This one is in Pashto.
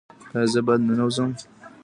ایا زه باید ننوځم؟